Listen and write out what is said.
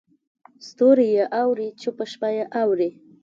ستوري یې اوري چوپه شپه یې اوري